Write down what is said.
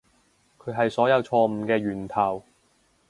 佢係所有錯誤嘅源頭